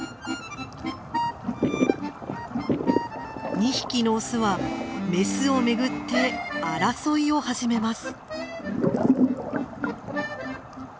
２匹のオスはメスをめぐって争いを始めます。